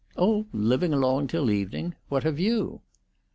"Oh, living along till evening. What have you?"